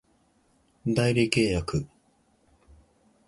代理契約